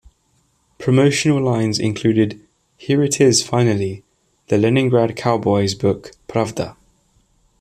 Promotional lines included: "Here it is finally, The Leningrad Cowboys book "Pravda"!